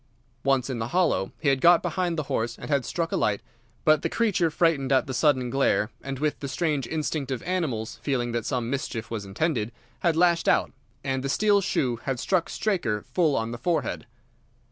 Once in the hollow, he had got behind the horse and had struck a light; but the creature frightened at the sudden glare, and with the strange instinct of animals feeling that some mischief was intended, had lashed out, and the steel shoe had struck Straker full on the forehead.